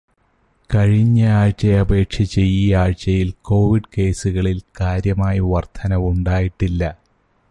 കഴിഞ്ഞ ആഴ്ചയെ അപേക്ഷിച്ച് ഈ ആഴ്ചയില് കോവിഡ് കേസുകളില് കാര്യമായി വര്ധനവുണ്ടായിട്ടില്ല.